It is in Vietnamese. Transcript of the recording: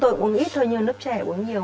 tôi uống ít thôi nhưng lớp trẻ uống nhiều